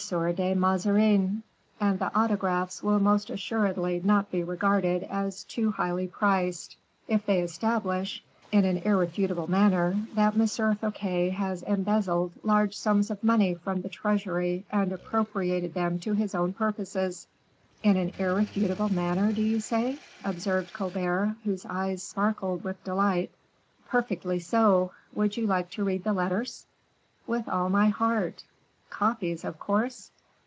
de Mazarin; and the autographs will most assuredly not be regarded as too highly priced, if they establish, in an irrefutable manner, that M. Fouquet has embezzled large sums of money from the treasury and appropriated them to his own purposes." "In an irrefutable manner, do you say?" observed Colbert, whose eyes sparkled with delight. "Perfectly so; would you like to read the letters?" "With all my heart! Copies, of course?"